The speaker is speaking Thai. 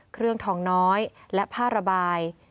เครื่องทองน้อยและผ้าระบาย